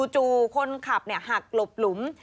คนขับหักหลบหลุม